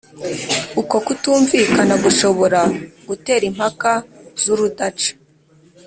uko kutumvikana gushobora gutera impaka z’urudaca,